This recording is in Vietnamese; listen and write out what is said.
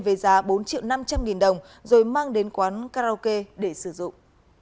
với giá bốn triệu năm trăm linh nghìn đồng rồi mang đến quán karaoke để sử dụng